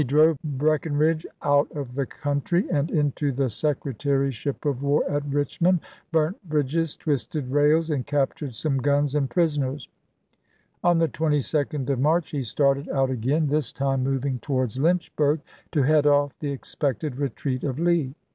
drove Breckinridge out of the country, and into the Secretaryship of War at Eichmond, burnt bridges, twisted rails, and captured some guns and 1865. prisoners. On the 22d of March he started out again, this time moving towards Lynchburg, to head off the expected retreat of Lee.